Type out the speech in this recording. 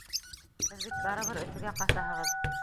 Һеҙ бит барыбер Өфөгә ҡасаһығыҙ.